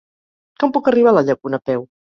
Com puc arribar a la Llacuna a peu?